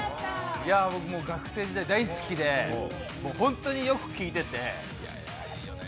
僕、学生時代、大好きで本当によく聴いてて。